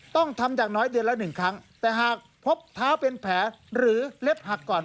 ต้องทำอย่างน้อยเดือนละหนึ่งครั้งแต่หากพบเท้าเป็นแผลหรือเล็บหักก่อน